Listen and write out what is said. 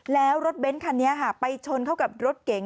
แล้วรถเบ้นคันนี้ไปชนเข้ากับรถเก๋ง